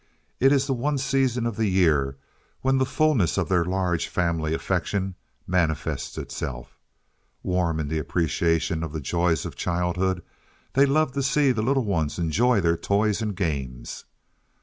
It is the one season of the year when the fullness of their large family affection manifests itself. Warm in the appreciation of the joys of childhood, they love to see the little ones enjoy their toys and games.